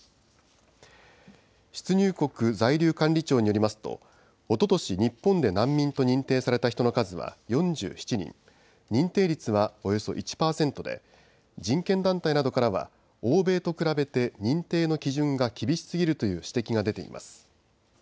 出入国在留管理庁によりますとおととし日本で難民と認定された人の数は４７人、認定率はおよそ１％で人権団体などからは欧米と比べて認定の基準が厳しすぎるという指摘が出ています。